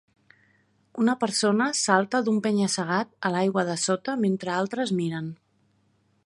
Una persona salta d'un penya segat a l'aigua de sota mentre altres miren.